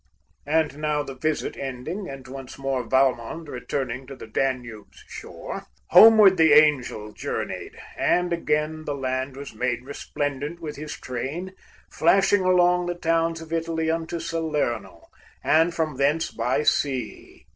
And now the visit ending, and once more Valmond returning to the Danube's shore, Homeward the Angel journeyed, and again The land was made resplendent with his train, Flashing along the towns of Italy Unto Salerno, and from thence by sea.